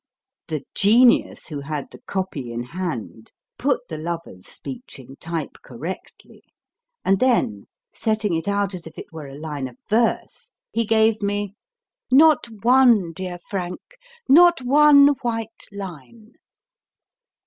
The genius who had the copy in hand put the lover s speech in type correctly, and then, setting it out as if it were a line of verse, he gave me Not one, dear Frank, not one white line